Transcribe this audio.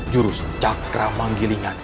jurus cakra manggilingan